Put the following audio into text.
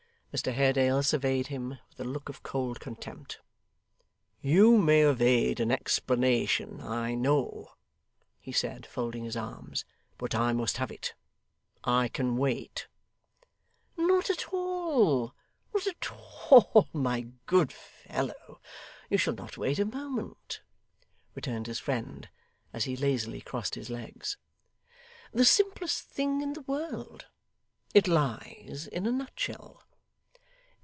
Mr Haredale surveyed him with a look of cold contempt. 'You may evade an explanation, I know,' he said, folding his arms. 'But I must have it. I can wait.' 'Not at all. Not at all, my good fellow. You shall not wait a moment,' returned his friend, as he lazily crossed his legs. 'The simplest thing in the world. It lies in a nutshell.